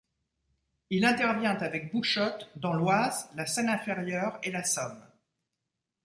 Il intervient avec Bouchotte dans l'Oise, la Seine-Inférieure et la Somme.